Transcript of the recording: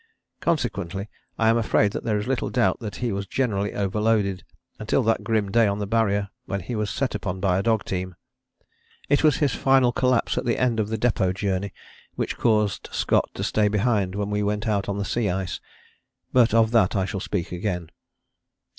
Consequently I am afraid there is little doubt that he was generally overloaded until that grim day on the Barrier when he was set upon by a dog team. It was his final collapse at the end of the Depôt journey which caused Scott to stay behind when we went out on the sea ice. But of that I shall speak again.